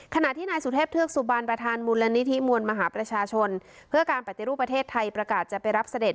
ขณะที่นายสุเทพเทือกสุบันประธานมูลนิธิมวลมหาประชาชนเพื่อการปฏิรูปประเทศไทยประกาศจะไปรับเสด็จ